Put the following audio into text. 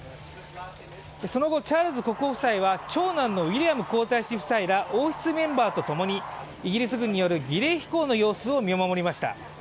その後、チャールズ国王夫妻は長男のウィリアム皇太子夫妻ら王室メンバーと共にイギリス軍による儀礼飛行の様子を見守りました。